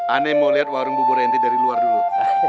ane mau liat warung buburenti dari luar dulu